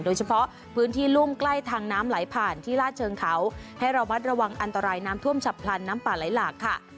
โดยเฉพาะพื้นที่รุ่มใกล้ทางน้ำไหลผ่านที่ลาดเชิงเขาให้ระมัดระวังอันตรายน้ำท่วมฉับพลันน้ำป่าไหลหลากค่ะ